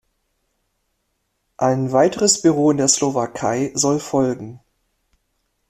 Ein weiteres Büro in der Slowakei soll folgen.